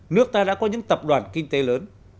nước ta đã có những tập đoàn kinh tế lớn